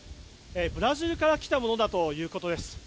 ブラジルから来たものだということです。